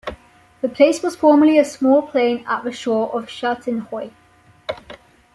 The place was formerly a small plain at the shore of Sha Tin Hoi.